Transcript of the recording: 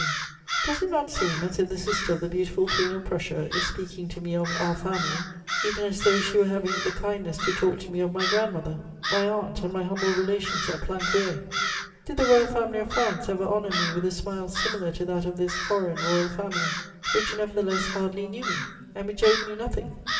were having Does it not seem as if the sister of the beautiful Queen of Prussia is speaking to me of "our family" even as though she the kindness to talk to me of my grandmother, my aunt and my humble relations at Plancouët? Did the Royal Family of France ever honour me with a smile similar to that of this foreign Royal Family, which nevertheless hardly knew me and which owed me nothing?